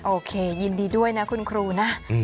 โอเคยินดีด้วยนะคุณครูนะ